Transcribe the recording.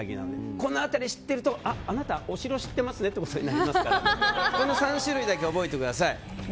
これを知っているとあなたお城知っていますねとなりますからこの３種類を覚えておいてください。